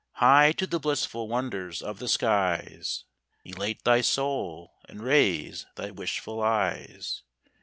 High to the blissful wonders of the skies Elate thy soul, and raise thy wishful eyes.